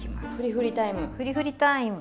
ふりふりターイム。